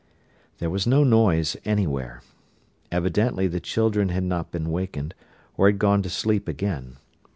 There was no noise anywhere. Evidently the children had not been wakened, or had gone to sleep again.